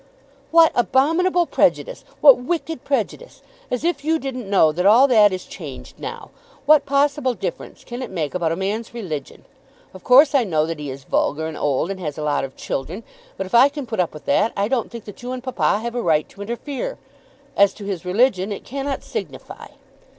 "What abominable prejudice; what wicked prejudice! As if you didn't know that all that is changed now! What possible difference can it make about a man's religion? Of course I know that he is vulgar, and old, and has a lot of children. But if I can put up with that, I don't think that you and papa have a right to interfere. As to his religion it cannot signify."